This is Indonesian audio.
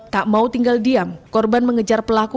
tak mau tinggal diam korban mengejar pelaku